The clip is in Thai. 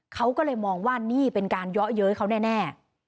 เขาก็เลยมองว่านี่เป็นการเยาะเย้ยเขาแน่